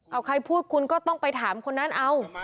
เอาใครพูดคุณก็ต้องไปถามคนนั้นเอา